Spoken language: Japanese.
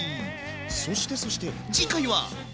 そしてそして次回は？